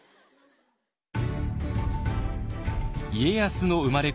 家康の生まれ